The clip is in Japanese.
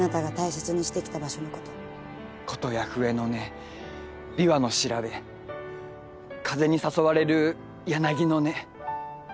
琴や笛の音琵琶の調べ風に誘われる柳の音。